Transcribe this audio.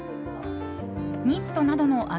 ニットなどの秋